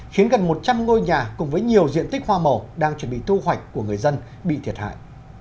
khiến gần một trăm linh ngôi nhà cùng với nhiều diện tích hoa màu đang chuẩn bị thu hoạch của người dân bị thiệt hại